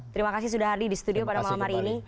terima kasih sudah hardi di studio pada malam hari ini